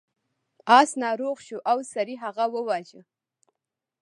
اس ناروغ شو او سړي هغه وواژه.